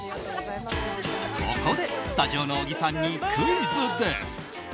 ここで、スタジオの小木さんにクイズです。